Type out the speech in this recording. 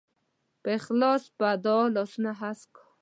په اخلاص چې په دعا لاسونه هسک کا.